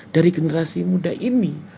dari generasi muda ini